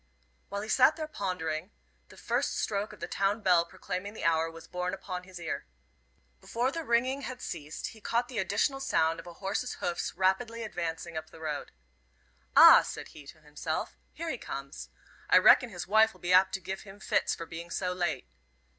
While he sat there pondering, the first stroke of the town bell proclaiming the hour was borne upon his ear. Before the ringing had ceased, he caught the additional sound of a horse's hoofs rapidly advancing up the road. "Ah," said he to himself, "here he comes. I reckon his wife'll be apt to give him fits for being so late."